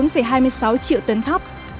một mươi bốn hai mươi sáu triệu tấn thóc